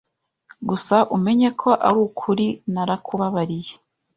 Gusa umenye ko arukuri narakubabariye